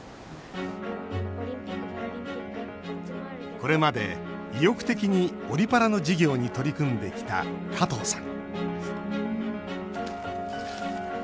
これまで、意欲的にオリパラの授業に取り組んできた加藤さん。